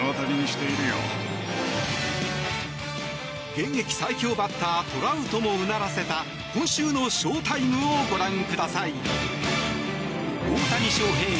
現役最強バッタートラウトをもうならせた今週のショウタイムをご覧ください。